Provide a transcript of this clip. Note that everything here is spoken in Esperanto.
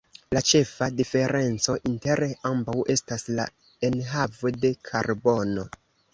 La ĉefa diferenco inter ambaŭ estas la enhavo de karbono.